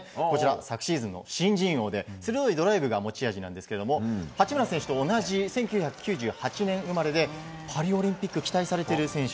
昨シーズンの新人王で鋭いドライブが持ち味で八村選手と同じ１９９８年生まれでパリオリンピック